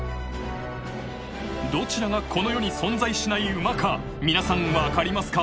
どちらがこの世に存在しない馬か皆さん分かりますか？